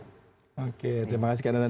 oke terima kasih kang dadan